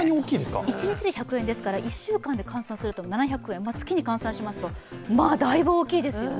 一日で１００円ですから１週間で換算すると７００円、月に換算しますと、だいぶ大きいですよね。